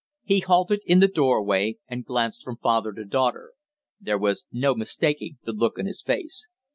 He halted in the doorway and glanced from father to daughter. There was no mistaking the look on his face.